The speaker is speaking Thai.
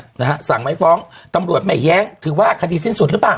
นะฮะสั่งไม่ฟ้องตำรวจไม่แย้งถือว่าคดีสิ้นสุดหรือเปล่า